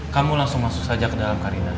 kamu langsung masuk saja ke dalam kak rina